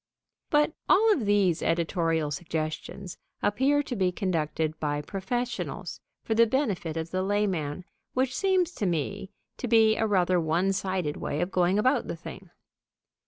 But all of these editorial suggestions appear to be conducted by professionals for the benefit of the layman, which seems to me to be a rather one sided way of going about the thing.